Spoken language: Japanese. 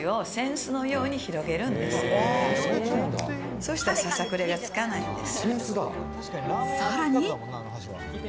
そうしたら、ささくれがつかないんです。